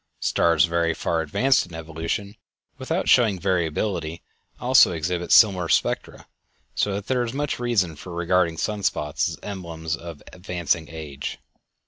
Stars very far advanced in evolution, without showing variability, also exhibit similar spectra; so that there is much reason for regarding sunspots as emblems of advancing age.